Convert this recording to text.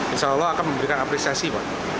insya allah akan memberikan apresiasi pak